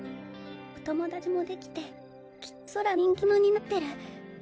お友達もできてきっとお空の人気者になってる。